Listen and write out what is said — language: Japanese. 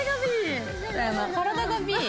体が「Ｂ」。